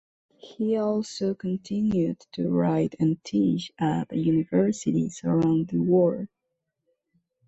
He also continued to write and teach at universities around the world.